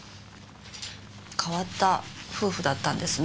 変わった夫婦だったんですね。